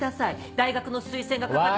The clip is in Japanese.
大学の推薦がかかった。